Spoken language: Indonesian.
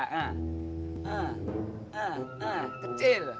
ah ah ah kecil